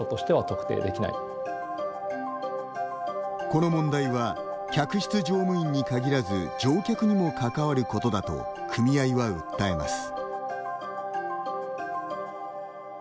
この問題は客室乗務員に限らず乗客にも関わることだと組合は訴えます。